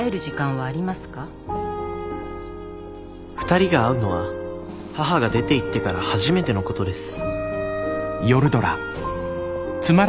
２人が会うのは母が出ていってから初めてのことです